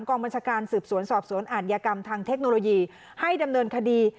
กองบัญชาการสืบสวนสอบสวนอาจยากรรมทางเทคโนโลยีให้ดำเนินคดี